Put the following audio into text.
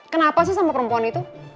kenapa sih sama perempuan itu